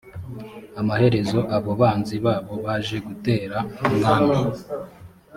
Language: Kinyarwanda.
amaherezo abo banzi babo baje gutera umwami